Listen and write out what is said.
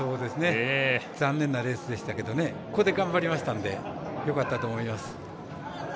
残念なレースでしたけどここで頑張りましたのでよかったと思います。